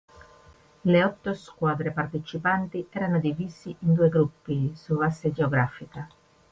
Le otto squadre partecipanti erano divisi in due gruppi, su base geografica.